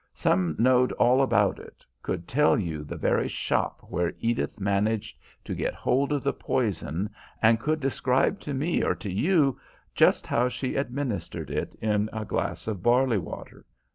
Some knowed all about it, could tell you the very shop where Edith managed to get hold of the poison, and could describe to me or to you just how she administrated it in a glass of barley water.